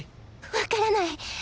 分からない